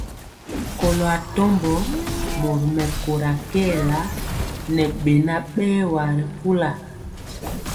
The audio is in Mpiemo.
Kɔlo atɔmbɔ mori mɛkóra kɛɛla ŋɛ beŋa berwa ri kula.